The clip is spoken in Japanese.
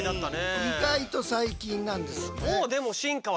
意外と最近なんですよね。